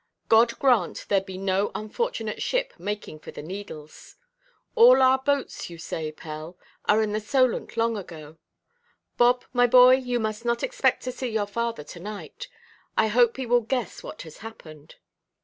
God grant there be no unfortunate ship making for the Needles. All our boats, you say, Pell, are in the Solent long ago. Bob, my boy, you must not expect to see your father to–night. I hope he will guess what has happened."